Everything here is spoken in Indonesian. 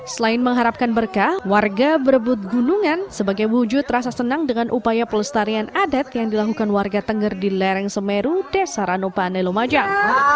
selain mengharapkan berkah warga berebut gunungan sebagai wujud rasa senang dengan upaya pelestarian adat yang dilakukan warga tengger di lereng semeru desa ranupane lumajang